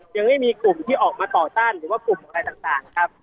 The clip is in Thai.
ยังไม่มีกลุ่มที่ออกมาต่อต้านหรือว่ากลุ่มอะไรต่างครับ